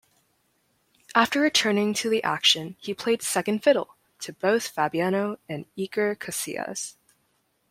After returning to action he played second-fiddle, to both Fabiano and Iker Casillas.